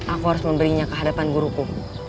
aku harus memberinya kehadapan guruku